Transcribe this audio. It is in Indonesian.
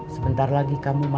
sebentar lagi kamu bisa